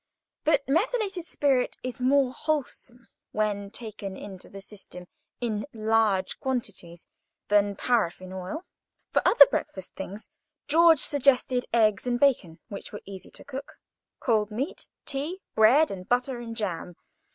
But methylated spirit is more wholesome when taken into the system in large quantities than paraffine oil. For other breakfast things, George suggested eggs and bacon, which were easy to cook, cold meat, tea, bread and butter, and jam.